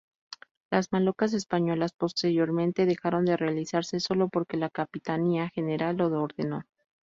Las malocas españolas posteriormente dejaron de realizarse solo porque la Capitanía General lo ordenó.